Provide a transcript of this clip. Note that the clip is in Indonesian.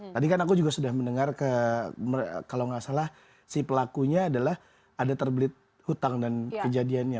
tadi kan aku juga sudah mendengar ke kalau nggak salah si pelakunya adalah ada terbelit hutang dan kejadiannya